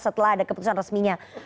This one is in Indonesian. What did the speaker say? setelah ada keputusan resminya